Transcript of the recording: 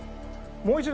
もう一度？